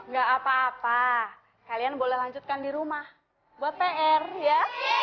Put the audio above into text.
gak apa apa kalian boleh lanjutkan di rumah buat pr ya